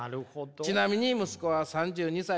「ちなみに息子は３２歳。